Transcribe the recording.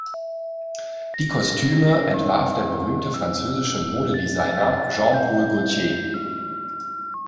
Die Kostüme entwarf der berühmte französische Modedesigner Jean-Paul Gaultier.